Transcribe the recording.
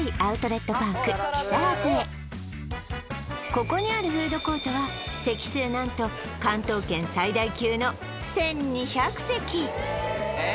ここにあるフードコートは席数何と関東圏最大級の１２００席！え！